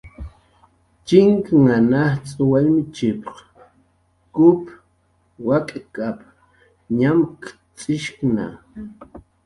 "Chinknhan ajtz' wallmichp"" kup wak'k""ap"" ñamk""cx'ishkna"